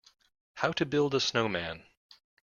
How to build a snowman.